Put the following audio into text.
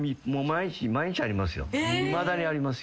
いまだにありますよ。